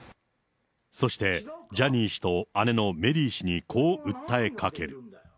そして、ジャニー氏と姉のメリー氏にこう訴えかける。